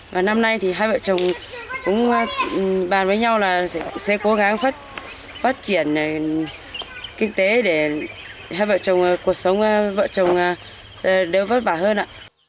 và năm nay thì hai vợ chồng cũng bàn với nhau là sẽ cố gắng phát triển kinh tế để hai vợ chồng cuộc sống vợ chồng đều vất vả hơn ạ